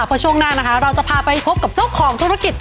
เพราะช่วงหน้านะคะเราจะพาไปพบกับเจ้าของธุรกิจ